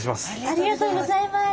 ありがとうございます。